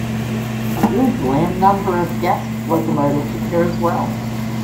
Usually a number of guest locomotives appear as well.